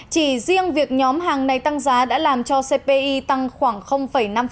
chỉ riêng việc nhóm hàng này tăng giá đã làm cho cpi tăng khoảng năm